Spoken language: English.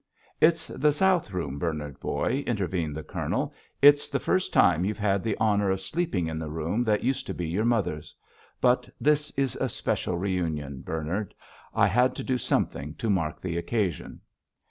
"It's the south room, Bernard, boy," intervened the Colonel; "it's the first time you've had the honour of sleeping in the room that used to be your mother's. But this is a special reunion, Bernard. I had to do something to mark the occasion."